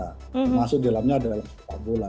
termasuk di dalamnya adalah sepak bola